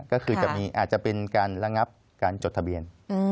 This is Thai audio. ก็คือจะมีอาจจะเป็นการระงับการจดทะเบียน